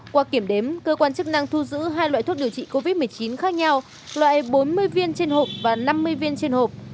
qua kiểm đếm cơ quan chức năng thu giữ hai loại thuốc điều trị covid một mươi chín khác nhau loại bốn mươi viên trên hộp và năm mươi viên trên hộp